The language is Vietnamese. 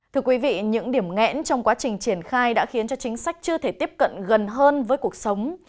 thưa quý vị những điểm ngẽn trong quá trình triển khai đã khiến cho chính sách chưa thể tiếp cận gần hơn với cuộc sống